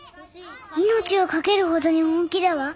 命を懸けるほどに本気だわ。